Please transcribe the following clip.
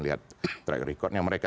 lihat track recordnya mereka